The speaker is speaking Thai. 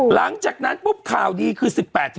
หลังจากนั้นปุ๊บข่าวดีคือ๑๘